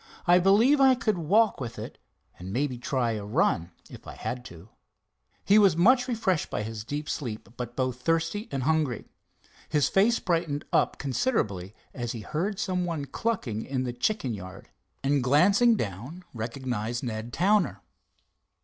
"I believe I could walk with it, and maybe try a run, if I had to." He was much refreshed by his sleep, but both hungry and thirsty. His face brightened up considerably as he heard some one clucking in the chicken yard, and glancing down recognized Ned Towner.